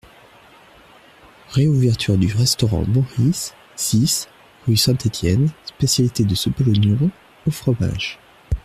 Réouverture du Restaurant Maurice, six, rue St-Etienne, spécialité de soupe à l'oignon, au fromage.